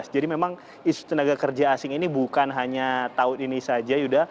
jadi memang isu tenaga kerja asing ini bukan hanya tahun ini saja